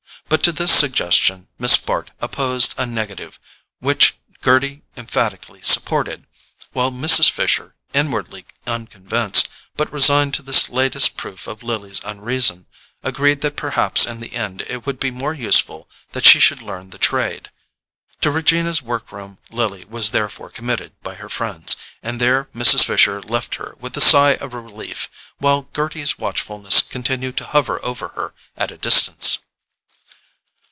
But to this suggestion Miss Bart opposed a negative which Gerty emphatically supported, while Mrs. Fisher, inwardly unconvinced, but resigned to this latest proof of Lily's unreason, agreed that perhaps in the end it would be more useful that she should learn the trade. To Regina's work room Lily was therefore committed by her friends, and there Mrs. Fisher left her with a sigh of relief, while Gerty's watchfulness continued to hover over her at a distance.